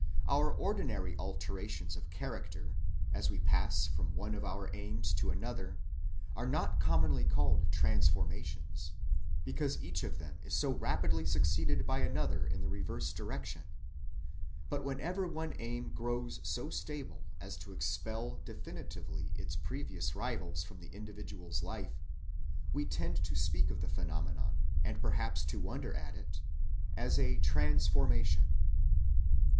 Our ordinary alterations of character, as we pass from one of our aims to another, are not commonly called transformations, because each of them is so rapidly succeeded by another in the reverse direction; but whenever one aim grows so stable as to expel definitively its previous rivals from the individual's life, we tend to speak of the phenomenon, and perhaps to wonder at it, as a "transformation."